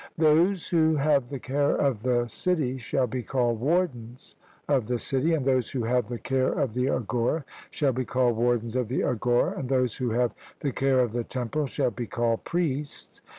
Those who have the care of the city shall be called wardens of the city; and those who have the care of the agora shall be called wardens of the agora; and those who have the care of the temples shall be called priests.